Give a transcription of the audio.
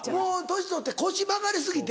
年取って腰曲がり過ぎて。